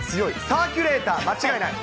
サーキュレーター、間違いない。